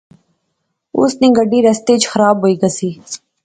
اس نی گڈی رستے اچ خراب ہوئی غئی